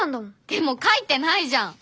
でも書いてないじゃん！